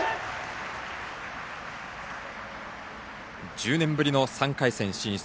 １０年ぶりの３回戦進出